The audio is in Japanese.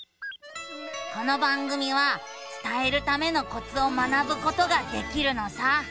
この番組は伝えるためのコツを学ぶことができるのさ。